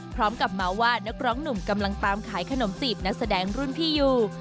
พร้อมกับเมาส์ว่านักร้องหนุ่มกำลังตามขายขนมจีบนักแสดงรุ่นพี่อยู่